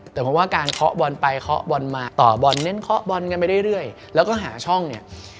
แต่ผมว่าการเคาะบอลไปเคาะบอลมาต่อบอลเน้นเคาะบอลกันไปเรื่อยแล้วก็หาช่องเนี่ย